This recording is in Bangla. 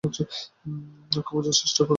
ওকে বোঝার চেষ্টা করো।